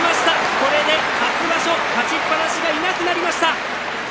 これで勝ちっぱなしがいなくなりました。